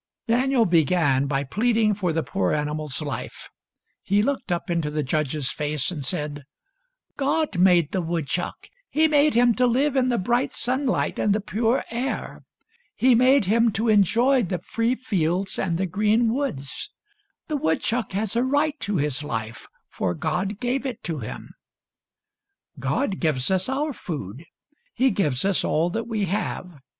Daniel began by pleading for the poor animal's life. He looked up into the judge's face, and said :—" God made the woodchuck. He made him to live in the bright sunlight and the pure air. He made him to enjoy the free fields and the green THIRTY MORE FAM. STO. — S 66 THIRTY MORE FAMOUS STORIES woods. The woodchuck has a right to his life, for God gave it to him, " God gives us our food. He gives us all that we have.